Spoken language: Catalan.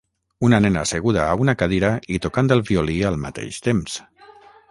Una nena asseguda a una cadira i tocant el violí al mateix temps.